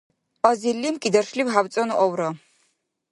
азирлим кӀидаршлим хӀябцӀанну авра